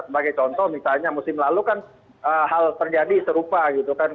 sebagai contoh misalnya musim lalu kan hal terjadi serupa gitu kan